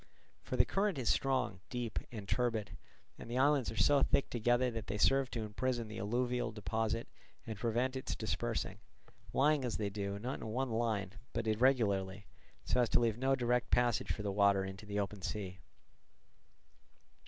For the current is strong, deep, and turbid, and the islands are so thick together that they serve to imprison the alluvial deposit and prevent its dispersing, lying, as they do, not in one line, but irregularly, so as to leave no direct passage for the water into the open sea.